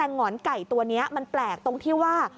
หงอนไก่ตัวนี้มันแปลกตรงที่ว่า